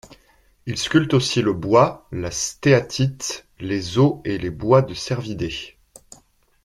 Il sculpte aussi le bois, la stéatite, les os et les bois de cervidés.